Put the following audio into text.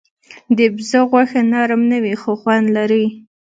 د بزه غوښه نرم نه وي، خو خوند لري.